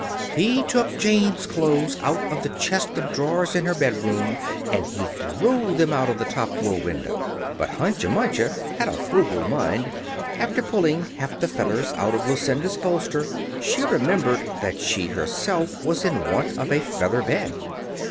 He took Jane's clothes out of the chest of drawers in her bedroom, and he threw them out of the top floor window. But Hunca Munca had a frugal mind. After pulling half the feathers out of Lucinda's bolster, she remembered that she herself was in want of a feather bed.